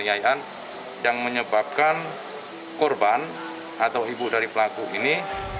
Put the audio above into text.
pengayaan yang menyebabkan korban atau ibu dari pelaku ini